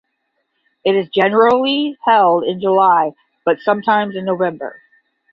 It is generally held in July but sometimes in November.